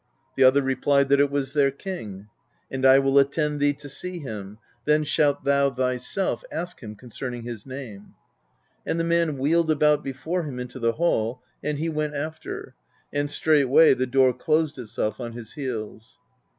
The other replied that it was their king; "and I will attend thee to see him; then shalt thou thyself ask him concerning his name;" and the man wheeled about before him into the hall, and he went after, and straightway the door closed itself on his heels.